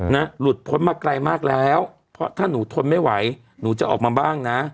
นะหลุดพ้นมาไกลมากแล้วเพราะถ้าหนูทนไม่ไหวหนูจะออกมาบ้างนะ